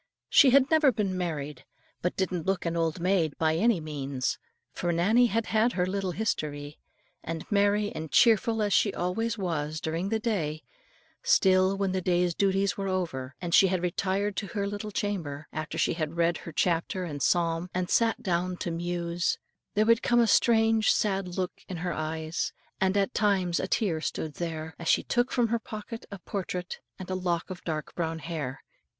She had never been married, but didn't look an old maid by any means. For Nannie had had her little history. And merry and cheerful as she always was during the day, still, when the day's duties were over, and she had retired to her little chamber, after she had read her chapter and psalm and sat down to muse, there would come a strange sad look in her eyes, and at times a tear stood there, as she took from her pocket a portrait and a lock of dark brown hair.